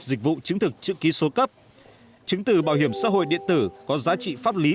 dịch vụ chứng thực chữ ký số cấp chứng từ bảo hiểm xã hội điện tử có giá trị pháp lý